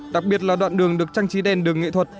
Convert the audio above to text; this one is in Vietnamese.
đặc biệt là đoạn đường được trang trí đèn đường nghệ thuật